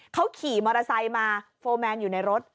เขาขี่มอเตอร์ไซค์มาโฟร์แมนอยู่ในรถ